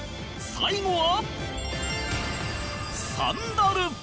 最後は